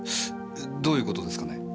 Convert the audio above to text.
どういう事ですかね？